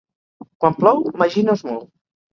Quan plou, Magí no es mou